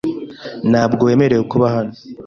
Ntabwo wemerewe kuba hano.